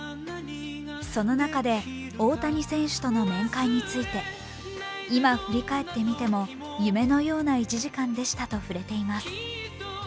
その中で大谷選手との面会について、今、振り返ってみても夢のような１時間でしたと触れています。